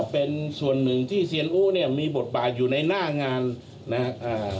เป็นส่วนหนึ่งที่เซียนอู้เนี่ยมีบทบาทอยู่ในหน้างานนะครับ